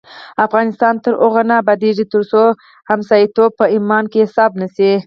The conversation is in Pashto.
افغانستان تر هغو نه ابادیږي، ترڅو ګاونډیتوب په ایمان کې حساب نشي.